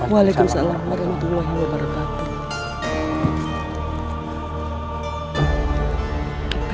waalaikumsalam warahmatullahi wabarakatuh